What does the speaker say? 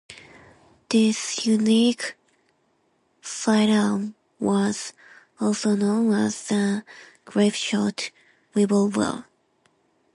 This unique sidearm was also known as the Grape Shot Revolver.